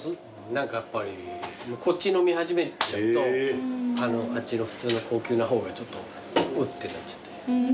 何かやっぱりこっち飲み始めちゃうとあっちの普通の高級な方がちょっと「うっ」ってなっちゃって。